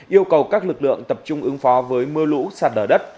yêu cầu các lực lượng tập trung ứng phó với mưa lũ sạt lở đất